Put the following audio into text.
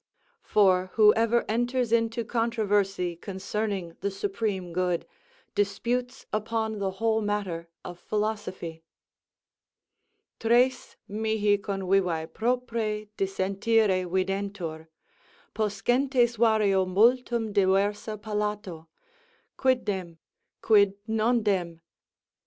_ "For whoever enters into controversy concerning the supreme good, disputes upon the whole matter of philosophy." Très mihi convivæ prope dissentire videntur, Poscentes vario mul turn divers a palato; Quid dem? Quid non dem?